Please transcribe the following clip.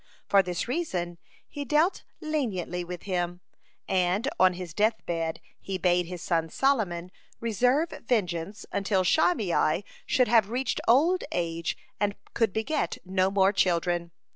For this reason he dealt leniently with him, and on his death bed he bade his son Solomon reserve vengeance until Shimei should have reached old age and could beget no more children.